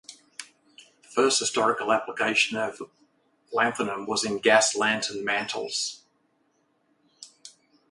The first historical application of lanthanum was in gas lantern mantles.